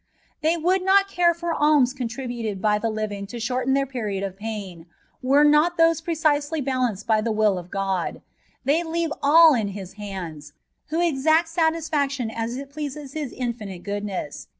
They would not care for alms contributed by the living^ to shorten their period of pain, were not those predsely balanced by the will of God ; they e 18 A fPREATlSfi OK PUttGATOBlT* leave ali in His hands, who exacts satu&ction as it pleases Hi» infinite goodness.